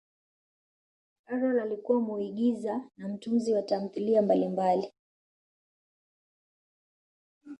karol alikuwa muigiza na mtunzi wa tamthilia mbalimbali